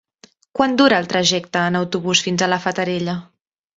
Quant dura el trajecte en autobús fins a la Fatarella?